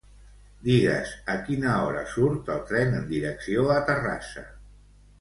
Digues a quina hora surt el tren en direcció a Terrassa.